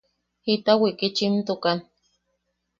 ¿Jita wikichimtukan?